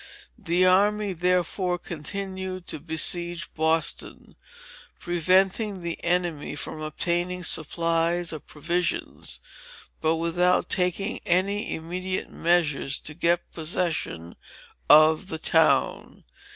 The army, therefore, continued to besiege Boston, preventing the enemy from obtaining supplies of provisions, but without taking any immediate measures to get possession of the town.